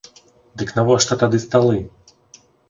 Дык навошта тады сталы?